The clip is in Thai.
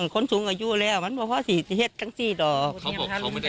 คนสูงอายุแล้วค่ะวันพ่อสีเอ็ดตั้งที่โดรกันบอกเขาไม่ได้ตั้งใจ